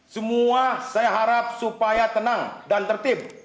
semua saya harap supaya tenang dan tertib